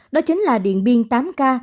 đó chính là điện biên tám ca